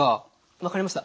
分かりました。